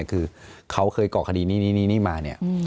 เขาเคยเกาะคดีนี้มา